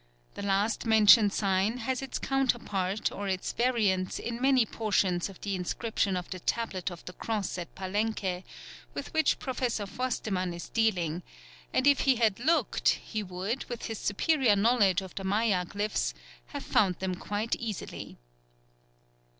The last mentioned sign has its counterpart or its variants in many portions of the inscription of the Tablet of the Cross at Palenque with which Professor Forstemann is dealing, and if he had looked he would, with his superior knowledge of the Maya glyphs, have found them quite easily.